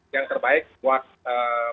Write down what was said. yang terbaik buat masyarakat bali